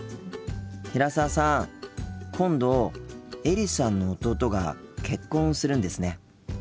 今度エリさんの弟が結婚するんですね。